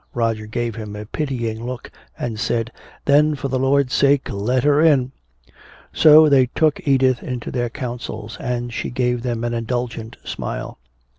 Roger gave him a pitying look and said, "Then, for the Lord's sake, let her in!" So they took Edith into their councils, and she gave them an indulgent smile.